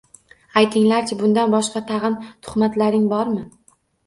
Aytinglar-chi, bundan boshqa tag‘in tuhmatlaring bormi